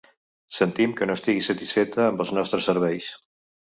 Sentim que no estigui satisfeta amb els nostres serveis.